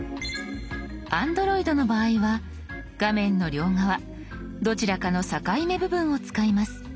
Ａｎｄｒｏｉｄの場合は画面の両側どちらかの境目部分を使います。